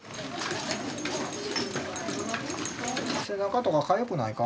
背中とかかゆくないか？